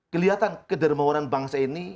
kelihatan kedermawanan bangsa ini